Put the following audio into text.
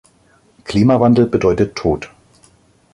Klimawandel bedeutet Tod.